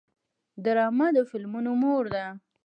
ډرامه د فلمونو مور ده